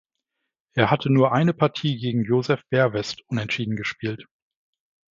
Er hatte nur eine Partie gegen Joseph Vervest unentschieden gespielt.